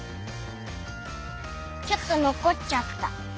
ちょっとのこっちゃった。